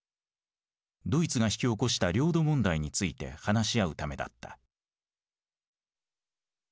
ドイツが引き起こした領土問題について話し合うためだった。